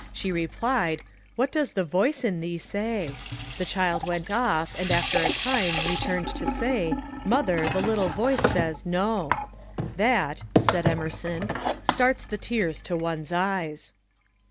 She replied, ^ What does the voice in thee say ?' The child went off, and after a time returned to say, ^ Mother, the little voice says, no.* That," said Emerson, " starts the tears to one's eyes."